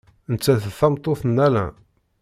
Nettat d tameṭṭut n Alain.